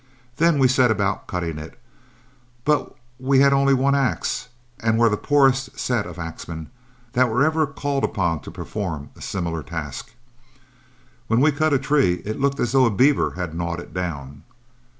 Then we set about cutting it, but we had only one axe, and were the poorest set of axemen that were ever called upon to perform a similar task; when we cut a tree it looked as though a beaver had gnawed it down.